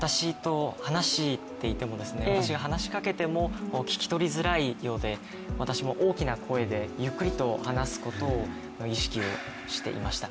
私が話しかけても聞き取りづらいようで、私も大きな声でゆっくり話すことを意識をしていました。